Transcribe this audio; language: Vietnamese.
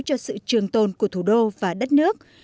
cho sự trường tồn của thủ đô và đất nước